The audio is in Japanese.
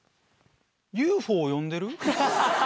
ＵＦＯ呼んでる？